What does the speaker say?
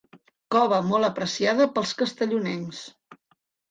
Cova molt apreciada pels castellonencs.